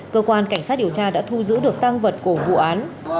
cơ quan cảnh sát điều tra đã thu giữ được tăng vật của vụ án